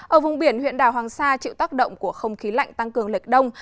ở vùng biển huyện đảo hoàng sa chịu tác động của không khí lạnh tăng cường lệch đông